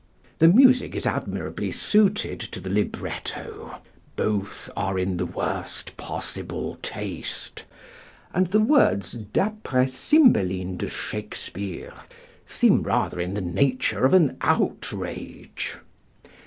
The music is admirably suited to the libretto. Both are in the worst possible taste, and the words "d'aprés Cymbeline de Shakespeare" seem rather in the nature of an outrage.